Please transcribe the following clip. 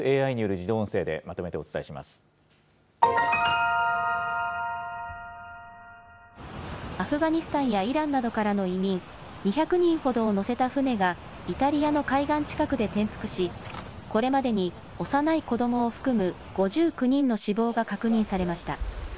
これまでに入っているニュース、一部ＡＩによる自動音声で、まとアフガニスタンやイランなどからの移民、２００人ほどを乗せた船が、イタリアの海岸近くで転覆し、これまでに幼い子どもを含む５９人の死亡が確認されました。